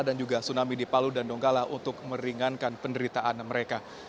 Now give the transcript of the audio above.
dan juga tsunami di palu dan donggala untuk meringankan penderitaan mereka